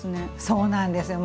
そうなんですよ